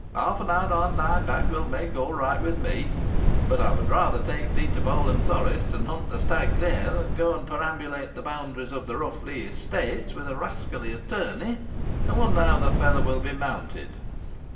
Half an hour on thy back will make all right with me; but I would rather take thee to Bowland Forest, and hunt the stag there, than go and perambulate the boundaries of the Rough Lee estates with a rascally attorney. I wonder how the fellow will be mounted."